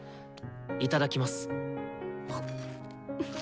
いただきます！